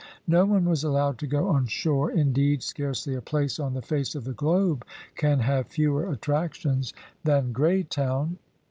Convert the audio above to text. No one was allowed to go on shore; indeed, scarcely a place on the face of the globe can have fewer attractions than Graytown.